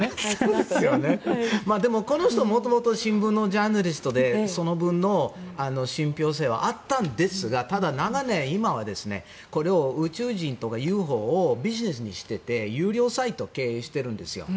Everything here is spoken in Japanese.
でもこの人元々新聞のジャーナリストでその分の信ぴょう性はあったんですがただ、長年、今はこれを宇宙人とかＵＦＯをビジネスにしていて有料サイトを経営してるんです。